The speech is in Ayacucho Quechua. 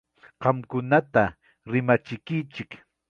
Qamkunata rimachikichik.